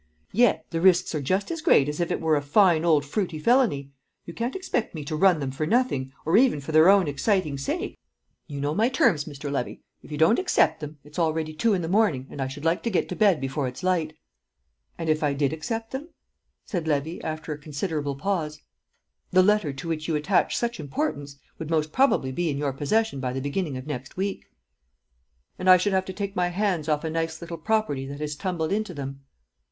Yet the risks are just as great as if it were a fine old fruity felony; you can't expect me to run them for nothing, or even for their own exciting sake. You know my terms, Mr. Levy; if you don't accept them, it's already two in the morning, and I should like to get to bed before it's light." "And if I did accept them?" said Levy, after a considerable pause. "The letter to which you attach such importance would most probably be in your possession by the beginning of next week." "And I should have to take my hands off a nice little property that has tumbled into them?"